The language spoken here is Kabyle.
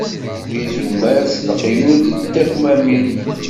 D izumal s leqyud d tekmamin!